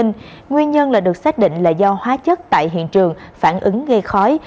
nguyên nhân là được xác định là do hóa chất tại hiện trường phản ứng gây khói